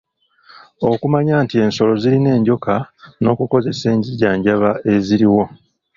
Okumanya nti ensolo zirina enjoka n’okukozesa enzijanjaba eziriwo.